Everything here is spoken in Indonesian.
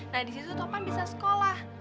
nah disitu topan bisa sekolah